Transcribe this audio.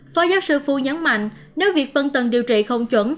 phó giáo sư phu nhấn mạnh nếu việc phân tầng điều trị không chuẩn